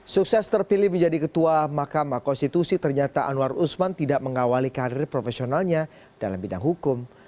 sukses terpilih menjadi ketua mahkamah konstitusi ternyata anwar usman tidak mengawali karir profesionalnya dalam bidang hukum